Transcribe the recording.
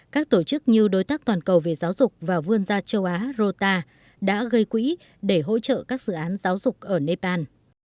các tổ chức như đối tác toàn cầu về giáo dục và vươn gia châu á rota đã gây quỹ để hỗ trợ các dự án giáo dục ở nepal